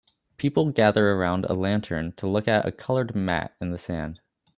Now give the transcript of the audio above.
People gather around a lantern to look at a colored mat in the sand